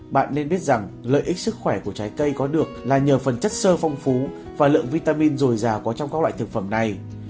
bạn nên biết rằng lợi ích sức khỏe của trái cây có được là nhờ phần chất sơ phong phú và lượng vitamin dồi dào có trong các loại thực phẩm này